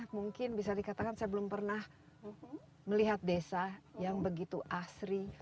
mungkin bisa dikatakan saya belum pernah melihat desa yang begitu asri